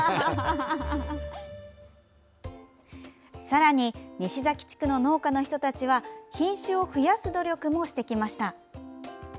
さらに西岬地区の農家の人たちは品種を増やす努力もしてきました。